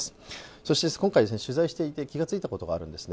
そして今回取材していて気がついたことがあるんですね。